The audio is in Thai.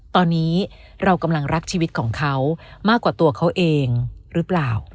ตอนนี้เรากำลังรักชีวิตของเขามากกว่าตัวเขาเองหรือเปล่า